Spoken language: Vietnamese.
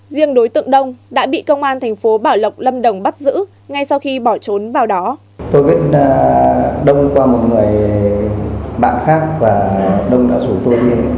riêng đối tượng đông đã bị công an thành phố bảo lộc lâm đồng bắt giữ ngay sau khi bỏ trốn vào đó